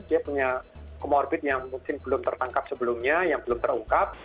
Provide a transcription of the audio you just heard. dia punya comorbid yang mungkin belum tertangkap sebelumnya yang belum terungkap